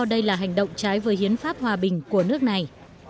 đây là hành động trái với hiến pháp hòa bình của nước này